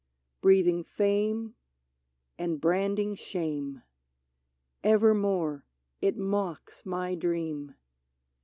Breathing fame, and branding shame Evermore it mocks my dream.